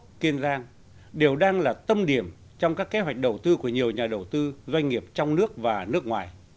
tỉnh kiên giang đều đang là tâm điểm trong các kế hoạch đầu tư của nhiều nhà đầu tư doanh nghiệp trong nước và nước ngoài